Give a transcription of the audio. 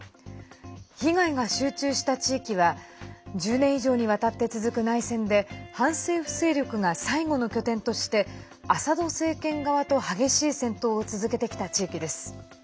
被害が集中した地域は１０年以上にわたって続く内戦で反政府勢力が最後の拠点としてアサド政権側と激しい戦闘を続けてきた地域です。